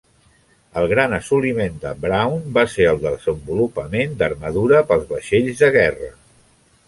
El gran assoliment de Brown va ser el desenvolupament d'armadura pels vaixells de guerra.